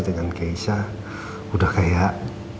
dengan keisha udah kayak